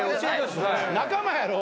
仲間やろ？